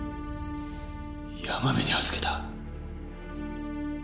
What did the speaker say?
山部に預けた？